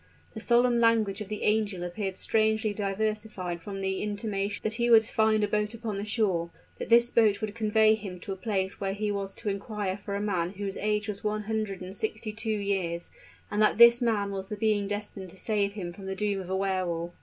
The solemn language of the angel appeared strangely diversified by the intimation that he would find a boat upon the shore, that this boat would convey him to a place where he was to inquire for a man whose age was one hundred and sixty two years, and that this man was the being destined to save him from the doom of a Wehr Wolf.